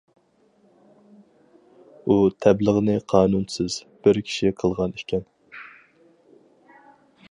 ئۇ تەبلىغنى «قانۇنسىز» بىر كىشى قىلغان ئىكەن.